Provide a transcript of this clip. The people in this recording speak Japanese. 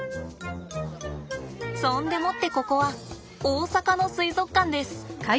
そんでもってここは大阪の水族館です。